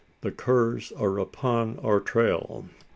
The curs are upon our trail!